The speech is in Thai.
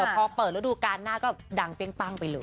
พอเปิดฤดูการหน้าก็ดังเปรี้ยงปั้งไปเลย